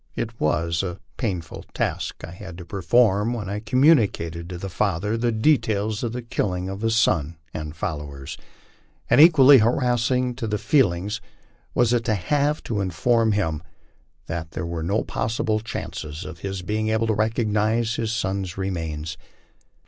It was a painful task I had to perform when I communicated to the father the details of the killing of his on and followers. And equally harassing to the feelings was it to have to inform him that there was no possible chance of his being able to recognize bis son's remains.